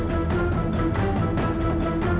kita harus ke rumah